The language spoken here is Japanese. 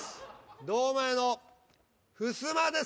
堂前のふすまです。